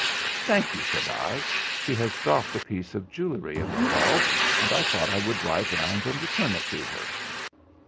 'Thank you,' said I,' she has dropped a piece of jewellery in the hall, and I thought I would drive round and return it to her.'